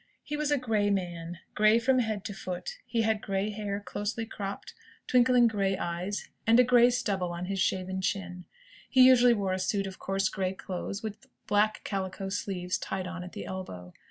He was a grey man: grey from head to foot. He had grey hair, closely cropped; twinkling grey eyes; and a grey stubble on his shaven chin. He usually wore a suit of coarse grey clothes, with black calico sleeves tied on at the elbow.